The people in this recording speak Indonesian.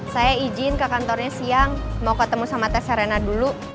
saya izin ke kantornya siang mau ketemu sama tes arena dulu